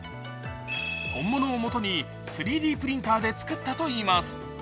本物を元に３Ｄプリンターで作ったといいます。